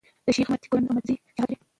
د شېخ متی کورنۍ په "متي زي" شهرت لري.